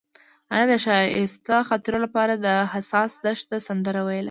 هغې د ښایسته خاطرو لپاره د حساس دښته سندره ویله.